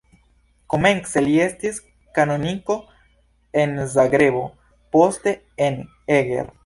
Komence li estis kanoniko en Zagrebo, poste en Eger.